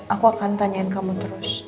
aku akan tanyain kamu terus